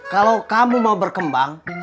kalau kamu mau berkembang